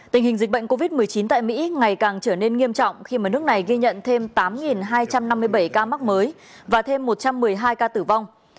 tình hình dịch bệnh covid một mươi chín tại mỹ ngày càng trở nên nghiêm trọng khi mà nước này ghi nhận thêm tám hai trăm năm mươi bảy ca mắc mới và thêm một trăm một mươi hai ca tử vong